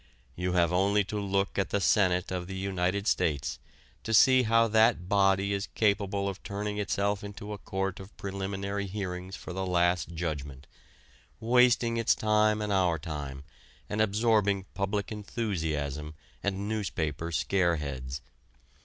You have only to look at the Senate of the United States, to see how that body is capable of turning itself into a court of preliminary hearings for the Last Judgment, wasting its time and our time and absorbing public enthusiasm and newspaper scareheads.